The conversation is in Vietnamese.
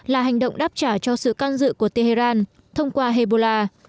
là hành động đáp trả cho sự can dự của tehran thông qua hezbollah